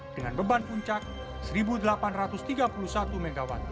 dengan beban puncak satu delapan ratus tiga puluh satu mw